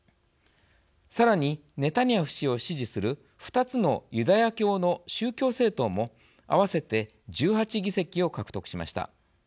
さらに、ネタニヤフ氏を支持する２つのユダヤ教の宗教政党も合わせて１８議席を獲得しました。